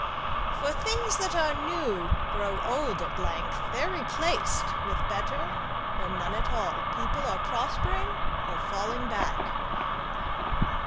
For things that are new grow old at length, They're replaced with better or none at all: People are prospering or falling back.